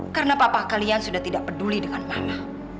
karena papa kalian sudah tidak peduli dengan mama